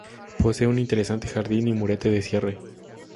Posee un interesante jardín y murete de cierre.